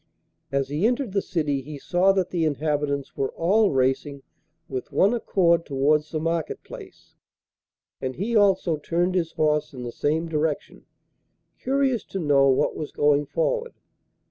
As he entered the city he saw that the inhabitants were all racing with one accord towards the market place, and he also turned his horse in the same direction, curious to know what was going forward.